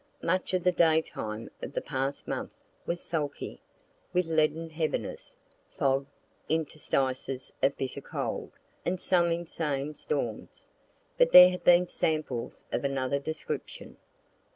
Much of the daytime of the past month was sulky, with leaden heaviness, fog, interstices of bitter cold, and some insane storms. But there have been samples of another description.